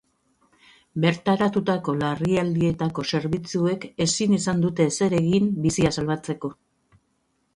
Bertaratutako larrialdietako zerbitzuek ezin izan dute ezer egin bizia salbatzeko.